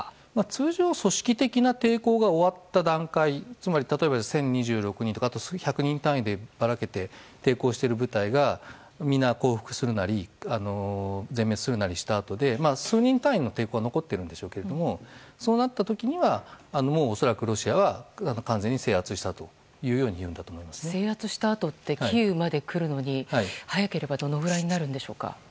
通常、組織的な抵抗が終わった段階つまり例えば１０２６人とか１００人単位で抵抗している部隊がみんな、降伏するなり全滅するなりしたあとで数人単位の抵抗は残っているんでしょうけどそうなった時には恐らくロシアは完全に制圧したと制圧したあとってキーウまで来るのに早ければどのくらいになるんでしょうか？